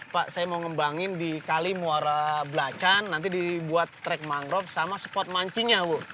pak saya mau ngembangin di kali muara blacan nanti dibuat trek mangrove sama spot mancingnya bu